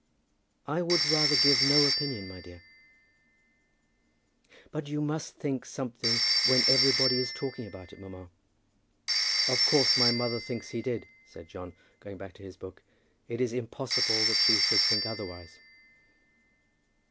"I would rather give no opinion, my dear." "But you must think something when everybody is talking about it, mamma." "Of course my mother thinks he did," said John, going back to his book. "It is impossible that she should think otherwise."